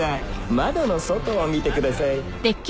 窓の外を見てください